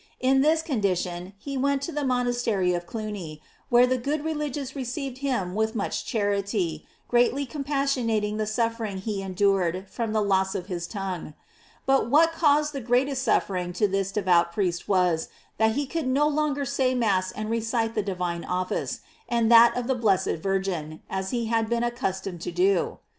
In this condition he went to the monastery of Cluny, where the good religious received him with much charity, greatly compassionating the suffering he endured from the loss of h^tonguSs But * Andr. nel suo Itin. Grad. 7, ap. Bov. to. 4, Esemp. 5. . 710 GLORIES OP MAKY. what caused the greatest suffering to this devout priest was, that he could no longer say Mass and recite the divine office, and that of the blessed Virgin, as he had been accustomed to do.